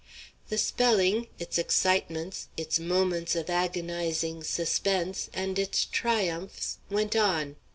The spelling, its excitements, its moments of agonizing suspense, and its triumphs, went on.